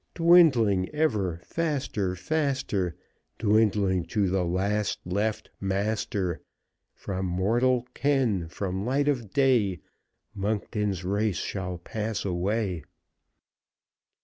Dwindling ever faster, faster, Dwindling to the last left master; From mortal ken, from light of day, Monkton's race shall pass away."